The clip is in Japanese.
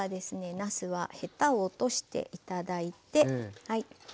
なすはヘタを落として頂いて。